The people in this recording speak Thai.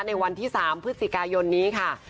ในวันที่๓พฤศจิกายนนี้ค่ะ